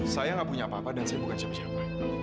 saya gak punya apa apa dan saya bukan siapa siapa